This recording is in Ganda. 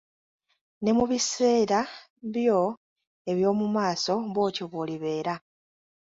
Ne mu biseera byo eby'omu maaso bw'otyo bw'olibeera.